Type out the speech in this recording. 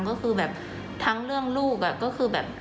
ก็คือแบบทั้งเรื่องลูกก็คือแบบ